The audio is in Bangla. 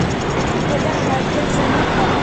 এটা হার্টের জন্য ভালো।